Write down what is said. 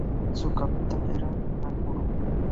Su capital era Nakuru.